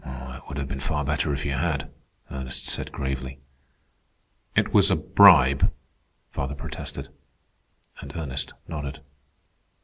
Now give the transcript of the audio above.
"It would have been far better if you had," Ernest said gravely. "It was a bribe," father protested; and Ernest nodded.